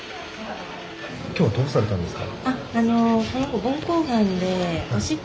今日はどうされたんですか？